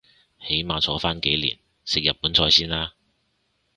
起碼坐返幾年食日本菜先啦